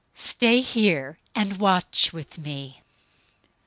Stay here, and watch with me."